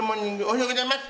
おはようございます。